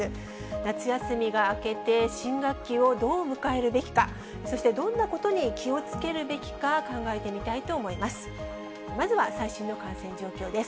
夏休みが明けて、新学期をどう迎えるべきか、そしてどんなことに気をつけるべきか考えてみたいと思います。